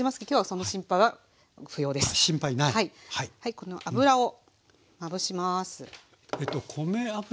この油をまぶします。